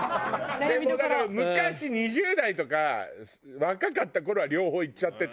もうだから昔２０代とか若かった頃は両方いっちゃってた。